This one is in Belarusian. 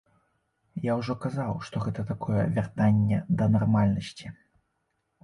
Я ўжо казаў, што гэта такое вяртанне да нармальнасці.